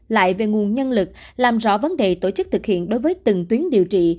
lại về nguồn nhân lực làm rõ vấn đề tổ chức thực hiện đối với từng tuyến điều trị